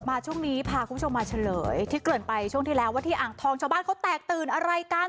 ช่วงนี้พาคุณผู้ชมมาเฉลยที่เกินไปช่วงที่แล้วว่าที่อ่างทองชาวบ้านเขาแตกตื่นอะไรกัน